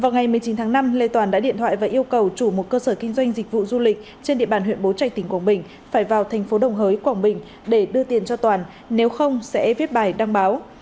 vào ngày một mươi chín tháng năm lê toàn đã điện thoại và yêu cầu chủ một cơ sở kinh doanh dịch vụ du lịch trên địa bàn huyện bố trạch tỉnh quảng bình phải vào thành phố đồng hới quảng bình để đưa tiền cho toàn nếu không sẽ viết bài đăng báo